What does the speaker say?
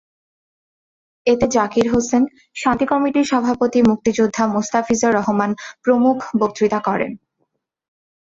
এতে জাকির হোসেন, শান্তি কমিটির সভাপতি মুক্তিযোদ্ধা মোস্তাফিজার রহমান প্রমুখ বক্তৃতা করেন।